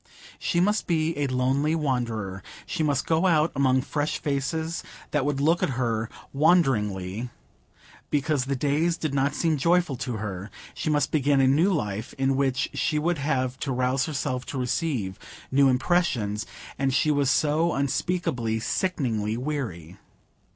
She must be a lonely wanderer; she must go out among fresh faces, that would look at her wonderingly, because the days did not seem joyful to her; she must begin a new life, in which she would have to rouse herself to receive new impressions; and she was so unspeakably, sickeningly weary!